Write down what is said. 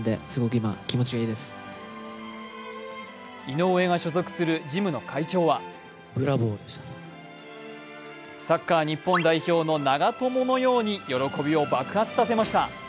井上が所属するジムの会長はサッカー日本代表の長友のように喜びを爆発させました。